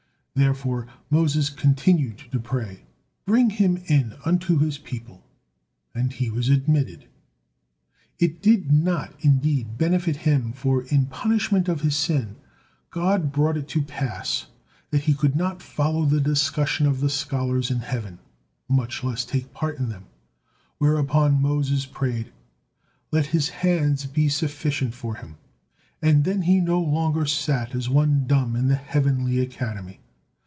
Therefore Moses continued to pray: "Bring him in unto his people," and he was admitted. It did not, indeed, benefit him, for in punishment of his sin, God brought it to pass that he could not follow the discussion of the scholars in heaven, much less take part in them, whereupon Moses prayed: "Let his hands be sufficient for him," and them he no longer sat as one dumb in the heavenly academy.